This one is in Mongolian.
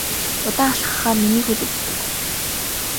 Удаан алхахлаар миний хөл өвддөг.